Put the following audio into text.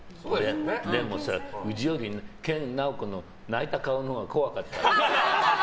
でもさ、うじより研ナオコの泣いた顔のほうが怖かった。